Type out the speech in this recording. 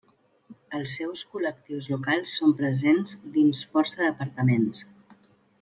Els seus col·lectius locals són presents dins força departaments.